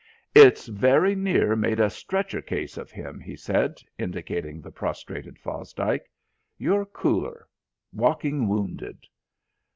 "It's very near made a stretcher case of him," he said, indicating the prostrated Fosdike. "You're cooler. Walking wounded."